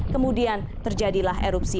kemudian terjadilah erupsi